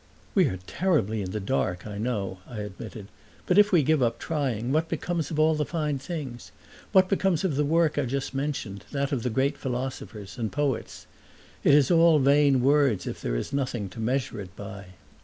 "We are terribly in the dark, I know," I admitted; "but if we give up trying what becomes of all the fine things? What becomes of the work I just mentioned, that of the great philosophers and poets? It is all vain words if there is nothing to measure it by."